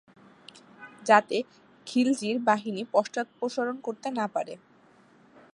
যাতে খিলজির বাহিনী পশ্চাদপসরণ করতে না পারে।